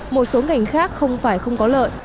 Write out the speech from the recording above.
một số ngành khác không phải không có lợi